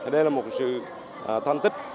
đây là một sự thân tích